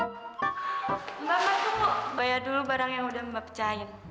mbak mbak gue mau bayar dulu barang yang udah mbak pecahin